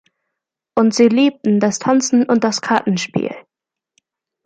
Und sie liebten das Tanzen und das Kartenspiel.